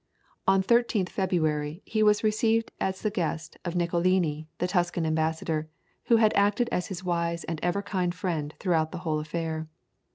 On 13th February he was received as the guest of Niccolini, the Tuscan ambassador, who had acted as his wise and ever kind friend throughout the whole affair.